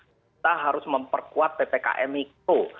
kita harus memperkuat ppkm mikro